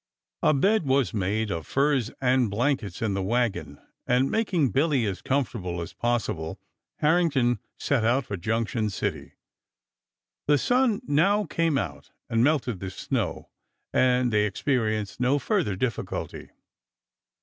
A bed was made of furs and blankets in the wagon and making Billy as comfortable as possible Harrington set out for Junction City. The sun now came out and melted the snow and they experienced no further difficulty.